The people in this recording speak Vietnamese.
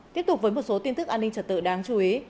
tiếp tục với một số tin tức an ninh trật tự đáng chú ý